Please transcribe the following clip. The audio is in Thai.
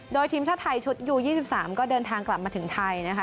โดยทีมชาติไทยชุดยู๒๓ก็เดินทางกลับมาถึงไทยนะคะ